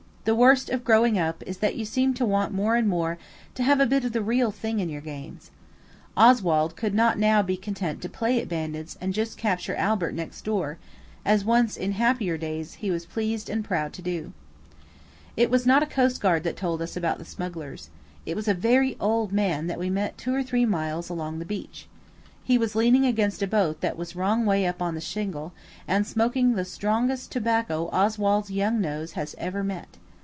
The worst of growing up is that you seem to want more and more to have a bit of the real thing in your games. Oswald could not now be content to play at bandits and just capture Albert next door, as once, in happier days, he was pleased and proud to do. It was not a coastguard that told us about the smugglers. It was a very old man that we met two or three miles along the beach. He was leaning against a boat that was wrong way up on the shingle, and smoking the strongest tobacco Oswald's young nose has ever met.